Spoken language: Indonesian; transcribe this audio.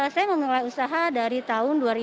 saya memulai usaha dari tahun